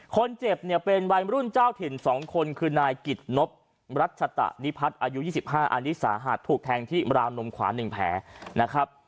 คนเจ็บเนี่ยเป็นวัยรุ่นเจ้าถิ่น๒คนคือนายกิจนบรัชตะนิพัฒน์อายุ๒๕อันนี้สาหัสถูกแทงที่ราวนมขวา๑แผลนะครับ